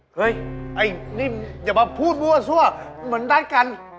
เฮ้ยนี่อย่ามาพูดว่าซั่วเหมือนดัดกัน